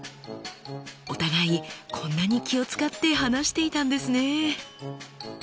お互いこんなに気を遣って話していたんですね。